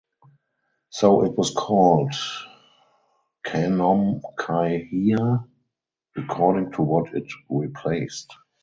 So it was called "khanom khai hia" according to what it replaced.